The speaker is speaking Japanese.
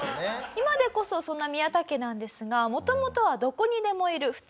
今でこそそんなミヤタ家なんですが元々はどこにでもいる普通のご家族でした。